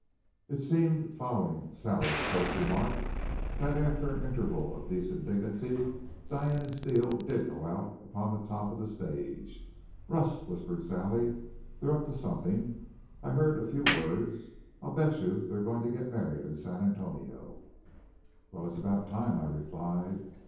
It seemed, following Sally's pert remark, that after an interval of decent dignity, Diane and Steele did go out upon the top of the stage. "Russ," whispered Sally, "they're up to something. I heard a few words. I bet you they're going to get married in San Antonio." "Well, it's about time," I replied.